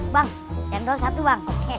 bang cendol satu bang